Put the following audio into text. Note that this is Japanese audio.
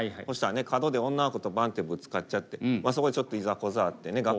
そしたらね角で女の子とバンッてぶつかっちゃってそこでちょっといざこざあってね